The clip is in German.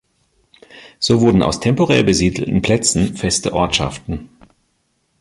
So wurden aus temporär besiedelten Plätzen feste Ortschaften.